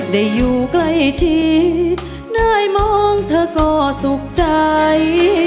ได้อยู่ใกล้ชิดได้มองเธอก็สุขใจ